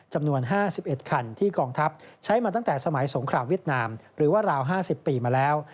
จำนวน๕๑คันที่กองทัพใช้มาตั้งแต่สมัยสงครามเวียดนามหรือว่าราว๕๐ปีมาแล้ว